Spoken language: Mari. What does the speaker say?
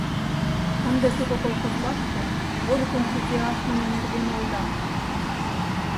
Ынде тудо колхозлаште вольыкым кузе ашныме нерген ойла.